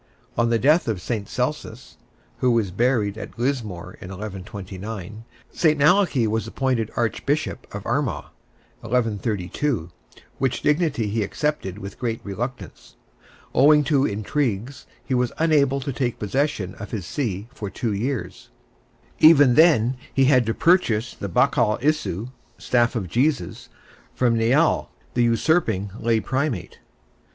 On the death of St. Celsus (who was buried at Lismore in 1129), St. Malachy was appointed Archbishop of Armagh, 1132, which dignity he accepted with great reluctance. Owing to intrigues, he was unable to take possession of his see for two years; even then he had to purchase the Bachal Isu (Staff of Jesus) from Niall, the usurping lay primate.